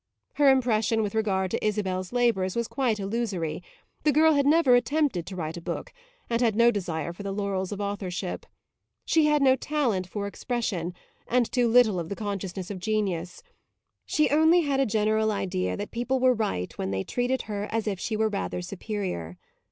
Her impression with regard to Isabel's labours was quite illusory; the girl had never attempted to write a book and had no desire for the laurels of authorship. She had no talent for expression and too little of the consciousness of genius; she only had a general idea that people were right when they treated her as if she were rather superior.